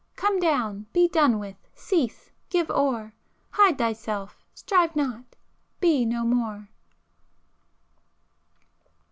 Come down, be done with, cease, give o'er, Hide thyself, strive not, be no more!"